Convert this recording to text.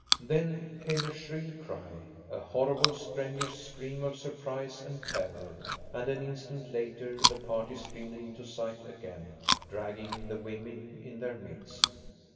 Then came a shrill cry, a horrible strenuous scream of surprise and terror, and an instant later the party streamed into sight again, dragging the women in their midst.